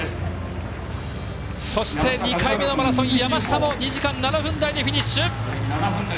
そして、２回目のマラソン山下も２時間７分台でフィニッシュ。